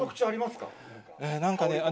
何かね